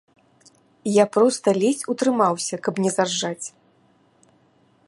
Я проста ледзь утрымаўся, каб не заржаць.